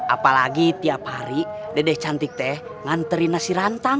apalagi tiap hari dedek cantik teh nganterin nasi rantang